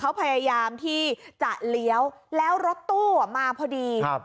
เขาพยายามที่จะเลี้ยวแล้วรถตู้อ่ะมาพอดีครับ